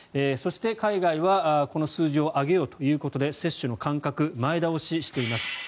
そして、海外はこの数字を上げようということで接種の間隔を前倒ししています。